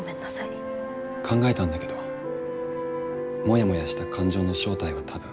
考えたんだけどもやもやした感情の正体は多分。